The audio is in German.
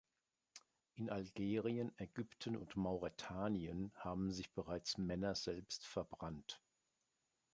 In Algerien, Ägypten und Mauretanien haben sich bereits Männer selbst verbrannt.